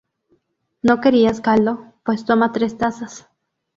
¿No querías caldo? ¡Pues toma tres tazas!